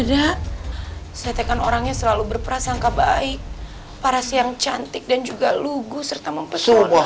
dek setekan orangnya selalu berperasaan kebaik para siang cantik dan juga lugu serta mempercaya